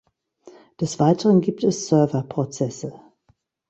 Des Weiteren gibt es Server-Prozesse.